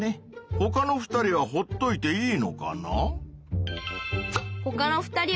ほかの２人はほっといていいのかな？